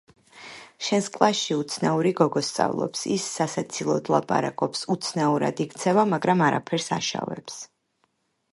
შენს კლასში უცნაური გოგო სწავლბს ის სასაცილოდ ლაპარაკობს უცნაურად იქცევა მაგრამ არაფერს აშავებს